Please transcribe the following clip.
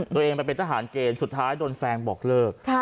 ตัวเองไปเป็นทหารเกณฑ์สุดท้ายโดนแฟนบอกเลิก